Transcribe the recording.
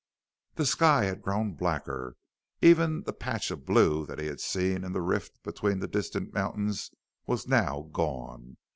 The sky had grown blacker; even the patch of blue that he had seen in the rift between the distant mountains was now gone.